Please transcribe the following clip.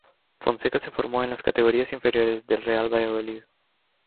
Fonseca se formó en las categorías inferiores del Real Valladolid.